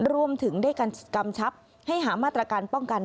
รวมถึงได้การกำชับให้หามาตรการป้องกัน